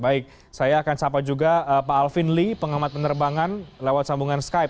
baik saya akan sapa juga pak alvin lee pengamat penerbangan lewat sambungan skype